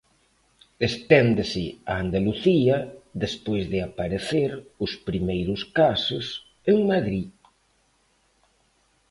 Esténdese a Andalucía, despois de aparecer os primeiros casos en Madrid.